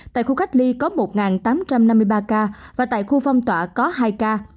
tại khu cách ly có một tám trăm năm mươi ba ca và tại khu phong tỏa có hai ca